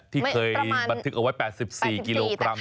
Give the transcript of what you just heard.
ที่เคยบันทึกเอาไว้๘๔กิโลกรัม